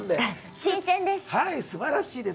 新鮮です！